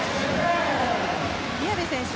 宮部選手